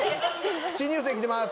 新入生来てます